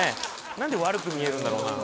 何で悪く見えるんだろうな